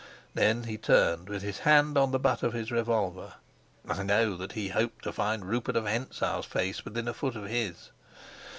Then he turned, with his hand on the butt of his revolver. I know that he hoped to find Rupert of Hentzau's face within a foot of his.